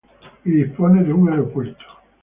Y dispone de un aeropuerto.